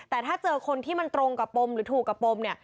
แต่ถ้าเจอคนที่มันตรงกับปมหรือถูกกับปม